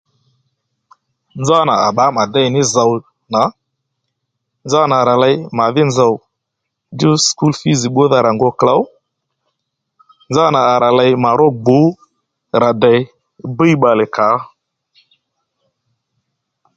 Nzánà à bbǎ mà déy ní zòw nà nzá nà à rà ley màdhí nzòw djú skul fiz bbúdha rà ngu klǒw nzánà à rà ley mà ró gbǔ rà dey bbwiy bbalè kà ó